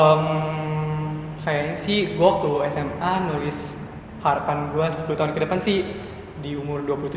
ehm kayaknya sih gue waktu sma nulis harapan gue sepuluh tahun kedepan sih diumur dua puluh satu tahun ya kan